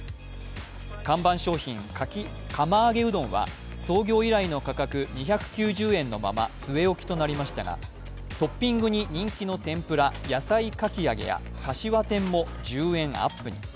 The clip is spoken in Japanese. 看板商品、釜揚げうどんは創業以来の価格、２９０円のまま据え置きとなりましたが、トッピングに人気の天ぷら、野菜かき揚げやかしわ天も１０円アップに。